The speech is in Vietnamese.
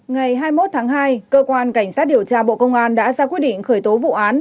ngày hai mươi một tháng hai cơ quan cảnh sát điều tra bộ công an đã ra quyết định khởi tố vụ án